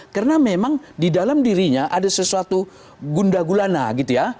karena memang di dalam dirinya ada sesuatu gunda gulana gitu ya